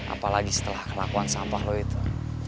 apalagi setelah kelakuan sampah loh itu